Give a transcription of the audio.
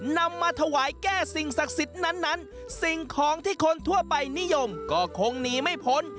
นำมาถวายแก้สิ่งศักดิ์สิทธิ์นั้นสิ่งของที่คนทั่วไปนิยมก็คงหนีไม่พ้น